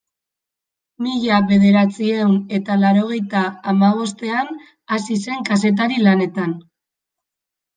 Mila bederatziehun eta laurogeita hamabostean hasi zen kazetari lanetan.